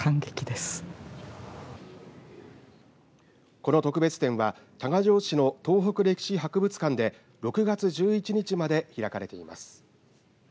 この特別展は多賀城市の東北歴史博物館で６月１１日まで開かれています。